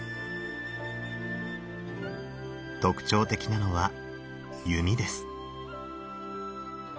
特徴的なのは弓です。